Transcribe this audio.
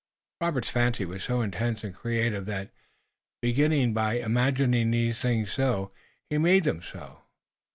Robert's fancy was so intense and creative that, beginning by imagining these things so, he made them so.